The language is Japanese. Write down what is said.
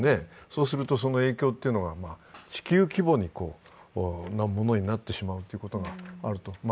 そうするとその影響というのは地球規模なものになってしまうことがあると。